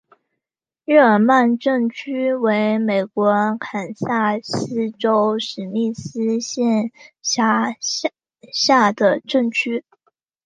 日耳曼镇区为美国堪萨斯州史密斯县辖下的镇区。